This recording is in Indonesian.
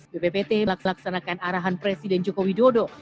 bppt melaksanakan arahan presiden joko widodo